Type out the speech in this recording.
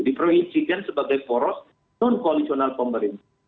diprohinsikan sebagai poros non koalisional pomerintah